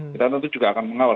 kita tentu juga akan mengawal